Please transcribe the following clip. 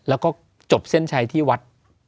แล้วก็จบเส้นชัยที่วัด